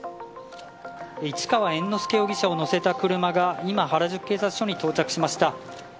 市川猿之助容疑者を乗せた車が、今、原宿警察署に到着しました。